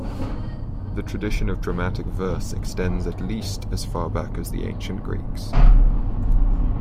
The tradition of dramatic verse extends at least as far back as ancient Greece.